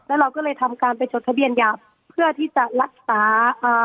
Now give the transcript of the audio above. แล้วเราก็เลยทำการไปจดทะเบียนหยาบเพื่อที่จะรักษาอ่า